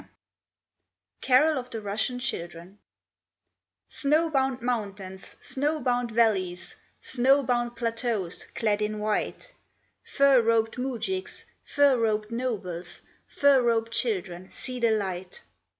_ CAROL OF THE RUSSIAN CHILDREN Snow bound mountains, snow bound valleys, Snow bound plateaus, clad in white, Fur robed moujiks, fur robed nobles, Fur robed children, see the light.